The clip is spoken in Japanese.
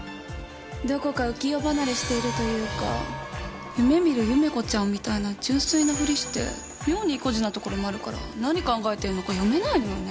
どこか浮世離れしているというか夢見る夢子ちゃんみたいな純粋なふりして妙に意固地なところもあるから何考えてんのか読めないのよね。